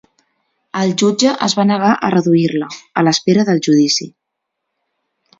El jutge es va negar a reduir-la, a l'espera del judici.